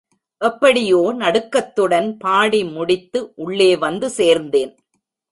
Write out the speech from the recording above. எப்படியோ நடுக்கத்துடன் பாடி முடித்து உள்ளே வந்து சேர்ந்தேன்.